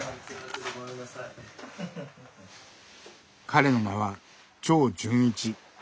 彼の名は長純一。